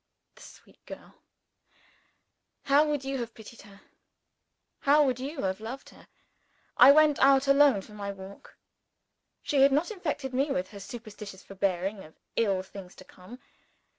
The sweet girl! How you would have pitied her how you would have loved her! I went out alone for my walk. She had not infected me with her superstitious foreboding of ill things to come.